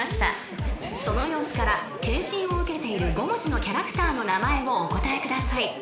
［その様子から検診を受けている５文字のキャラクターの名前をお答えください］